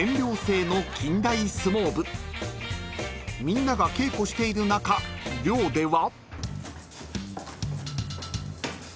［みんなが稽古している中寮では］